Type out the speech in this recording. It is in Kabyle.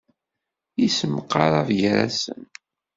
Yessemqarab gar-asen.